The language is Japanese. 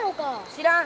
知らん。